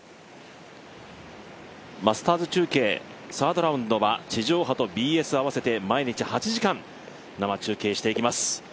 マスターズ中継サードラウンドは地上波とＢＳ合わせて毎日８時間、生中継していきます。